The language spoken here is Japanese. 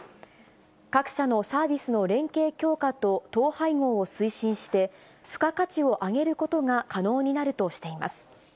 各社のサービスの連携強化と統廃合を推進して、付加価値を上げることが可能になるとしています。